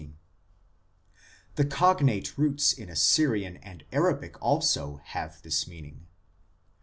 14) ; the cognate roots in Assyrian and Arabic also have this meaning.